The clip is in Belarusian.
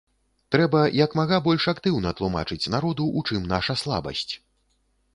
Трэба як мага больш актыўна тлумачыць народу, у чым наша слабасць.